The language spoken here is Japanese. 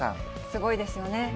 すごいですよね。